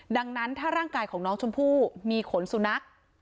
ดังนั้นถ้าร่างกายของน้องชมพู่มีขนสุนัข